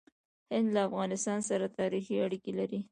هند له افغانستان سره تاریخي اړیکې لري.